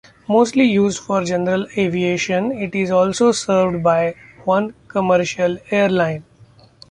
Mostly used for general aviation, it is also served by one commercial airline.